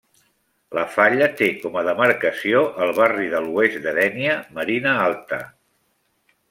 La falla té com a demarcació el barri de l'Oest de Dénia, Marina Alta.